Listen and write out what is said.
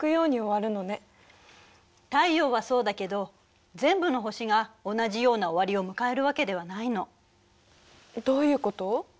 太陽はそうだけど全部の星が同じような終わりを迎えるわけではないの。どういうこと？